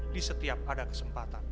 di setiap ada kesempatan